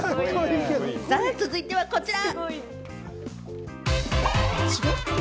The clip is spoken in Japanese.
さあ、続いてはこちら。